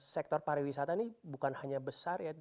sektor para wisata ini bukan hanya besar ya